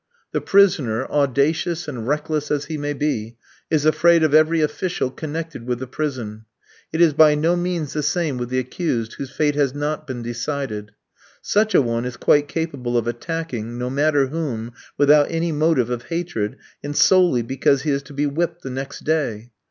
The prisoner, audacious and reckless as he may be, is afraid of every official connected with the prison. It is by no means the same with the accused whose fate has not been decided. Such a one is quite capable of attacking, no matter whom, without any motive of hatred, and solely because he is to be whipped the next day.